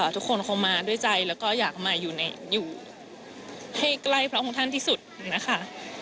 ทุกคนคงมาด้วยใจแล้วก็อยากมาอยู่ให้ใกล้พระองค์ท่านที่สุดนะคะ